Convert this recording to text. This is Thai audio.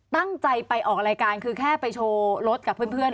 ตั้งใจไปออกรายการคือแค่ไปโชว์รถกับเพื่อน